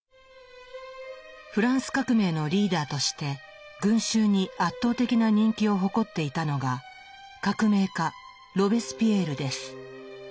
フランス革命のリーダーとして群衆に圧倒的な人気を誇っていたのが革命家ロベスピエールです。